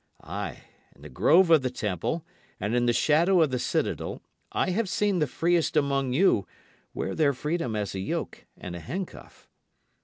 Ay, in the grove of the temple and in the shadow of the citadel I have seen the freest among you wear their freedom as a yoke and a handcuff.